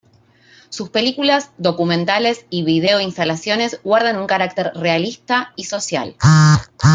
Sus películas, documentales y vídeo-instalaciones guardan un carácter realista y social.